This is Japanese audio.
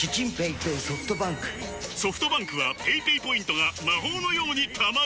ソフトバンクはペイペイポイントが魔法のように貯まる！